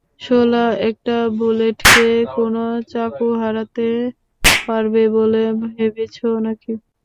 শোলা, একটা বুলেটকে কোনো চাকু হারাতে পারবে বলে ভেবেছ নাকি?